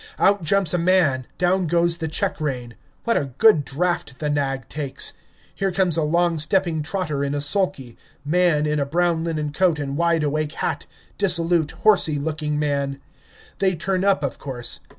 Out jumps a man, down goes the check rein. What a good draught the nag takes! Here comes a long stepping trotter in a sulky; man in a brown linen coat and wide awake hat, dissolute, horsey looking man. They turn up, of course.